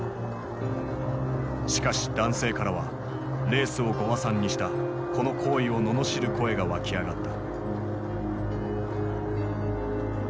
しかし男性からはレースをご破算にしたこの行為を罵る声が湧き上がった。